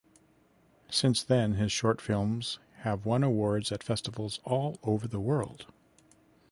Since then his short films have won awards at festivals all over the world.